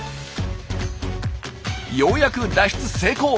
ようやく脱出成功！